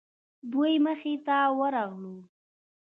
دوی مخې ته ورغلو.